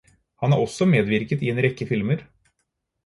Han har også medvirket i en rekke filmer.